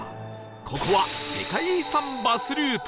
ここは世界遺産バスルート